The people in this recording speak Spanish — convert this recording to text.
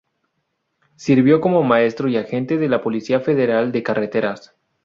Sirvió como maestro y agente de la Policía Federal de Carreteras.